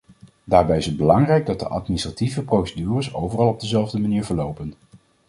Daarbij is het belangrijk dat de administratieve procedures overal op dezelfde manier verlopen.